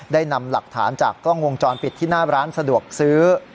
ได้นำหลักฐานจากกล้องวงจรปิดที่หน้าร้านสะดวกซื้อ